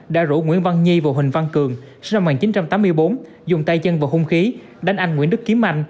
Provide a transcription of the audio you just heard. đã rủ nguyễn văn nhi và huỳnh văn cường sinh năm một nghìn chín trăm tám mươi bốn dùng tay chân vào hung khí đánh anh nguyễn đức kiếm mạnh